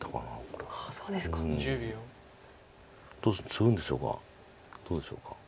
ツグんでしょうかどうでしょうか。